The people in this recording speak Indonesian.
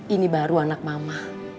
ini baru anak mama